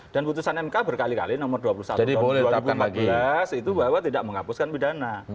dan putusan mk berkali kali nomor dua puluh satu tahun dua ribu empat belas itu bahwa tidak menghapuskan pidana